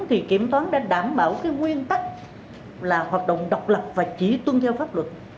thì kiểm toán đã đảm bảo cái nguyên tắc là hoạt động độc lập và chỉ tuân theo pháp luật